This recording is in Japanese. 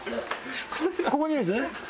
ここにいるんですね。